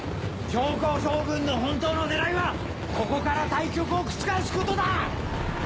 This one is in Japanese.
公将軍の本当の狙いはここから大局を覆すことだ！